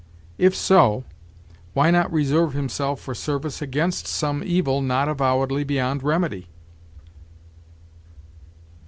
If so, why not reserve himself for service against some evil not avowedly beyond remedy?